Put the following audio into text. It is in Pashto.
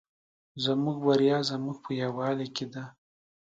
زموږ بریا زموږ په یوالي کې ده